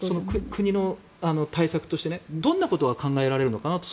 国の対策としてどんなことが考えられるのかなと。